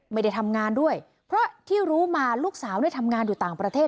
ไม่ได้ทำงานด้วยเพราะที่รู้มาลูกสาวเนี่ยทำงานอยู่ต่างประเทศ